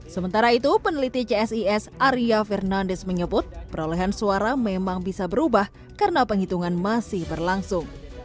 sementara itu peneliti csis arya fernandes menyebut perolehan suara memang bisa berubah karena penghitungan masih berlangsung